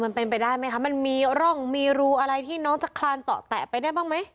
มันเป็นไปได้ไหมคะมันมีร่องมีรูอะไรที่น้องจะคลานต่อแตะไปได้บ้างไหม